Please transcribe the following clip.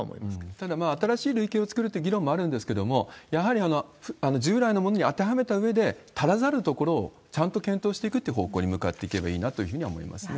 ただ、新しい類型を作るという議論もあるんですけど、やはり従来のものに当てはめたうえで、足らざるところをちゃんと検討していくって方向に向かっていけばいいなというふうに思いますね。